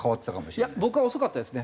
いや僕は遅かったですね。